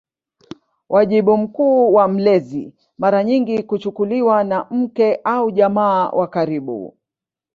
Wajibu mkuu wa mlezi mara nyingi kuchukuliwa na mke au jamaa wa karibu.